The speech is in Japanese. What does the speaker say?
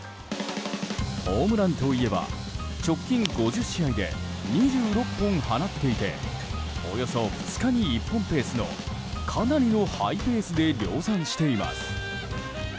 ホームランといえば直近５０試合で２６本放っていておよそ２日に１本ペースのかなりのハイペースで量産しています。